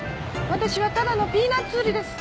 私はただのピーナツ売りです。